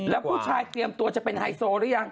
แล้วผู้ชายเตรียมตัวจะเป็นไฮโซหรือยัง